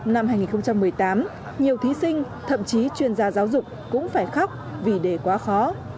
năm hai nghìn một mươi tám nhiều thí sinh thậm chí chuyên gia giáo dục cũng phải khóc vì đề quá khó